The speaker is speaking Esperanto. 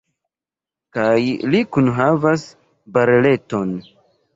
Kaj li kunhavas bareleton.